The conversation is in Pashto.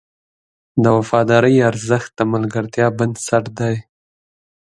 د وفادارۍ ارزښت د ملګرتیا بنسټ دی.